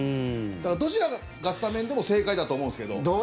だから、どちらがスタメンでも正解だと思うんですけど。